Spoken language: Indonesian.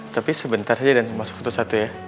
tapi sebentar saja dan masuk satu satu ya